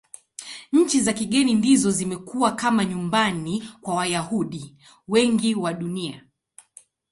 Nchi za kigeni ndizo zimekuwa kama nyumbani kwa Wayahudi wengi wa Dunia.